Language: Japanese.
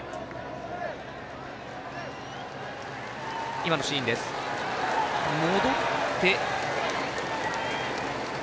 今のシーンです、戻って。